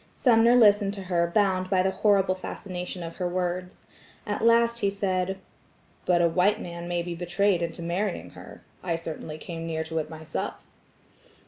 Sumner listened to her bound by the horrible fascination of her words. At last he said: "But a white man may be betrayed into marrying her. I certainly came near to it myself."